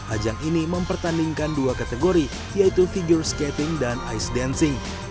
ajang ini mempertandingkan dua kategori yaitu figure skating dan ice dancing